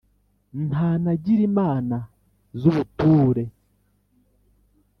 ntanagira imana z'ubuture,